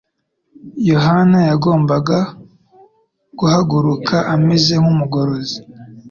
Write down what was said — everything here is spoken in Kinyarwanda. Yohana yagombaga guhaguruka ameze nk'umugorozi.